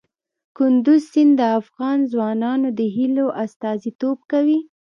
کندز سیند د افغان ځوانانو د هیلو استازیتوب کوي.